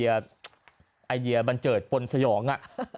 อีเดอบัญเจิดปนสยอง